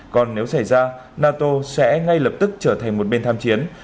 còn nếu xảy ra nato sẽ ngay lập tức trở thành một bên tham chiến